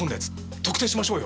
特定しましょうよ！